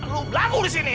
lo belamu di sini ya